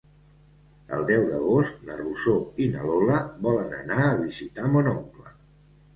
El deu d'agost na Rosó i na Lola volen anar a visitar mon oncle.